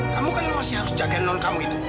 kamu kan masih harus jaga non kamu itu